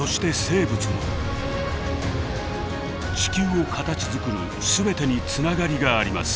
地球を形づくる全てにつながりがあります。